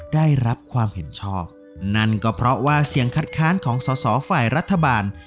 ได้รับความเห็นชอบนั่นก็เพราะว่าเสียงคัดค้านของสอสอฝ่ายรัฐบาล